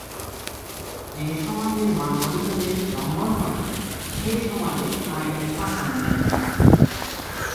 যে সমাজে মানবাধিকারের লঙ্ঘন হয়, সে সমাজে আইনের শাসন নেই।